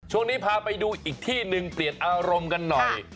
ช่วงนี้พาไปดูอีกที่หนึ่งเปลี่ยนอารมณ์กันหน่อย